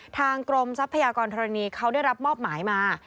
ทางกรมทรัพยากรธรณีเขาได้รับมอบหมายมา